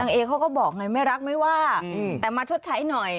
เอเขาก็บอกไงไม่รักไม่ว่าแต่มาชดใช้หน่อย